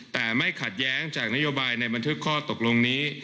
แต่ไม่ขัดแย้งจากนโยบายในบันทึกข้อตกลงนี้